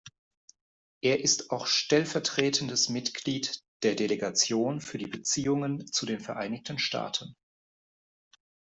Er ist auch stellvertretendes Mitglied der Delegation für die Beziehungen zu den Vereinigten Staaten.